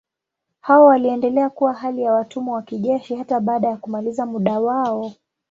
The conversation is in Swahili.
Hao waliendelea kuwa hali ya watumwa wa kijeshi hata baada ya kumaliza muda wao.